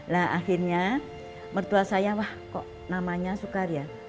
nah akhirnya mertua saya wah kok namanya sukar ya